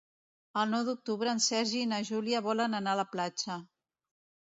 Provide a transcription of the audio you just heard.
El nou d'octubre en Sergi i na Júlia volen anar a la platja.